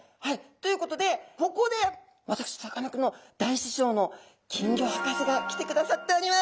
ということでここで私さかなクンの大師匠の金魚博士が来てくださっております。